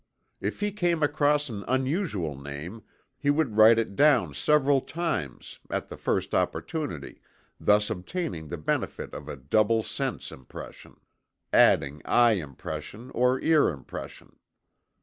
If he came across an unusual name, he would write it down several times, at the first opportunity, thus obtaining the benefit of a double sense impression, adding eye impression to ear impression.